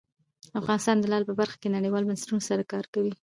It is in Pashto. افغانستان د لعل په برخه کې نړیوالو بنسټونو سره کار کوي.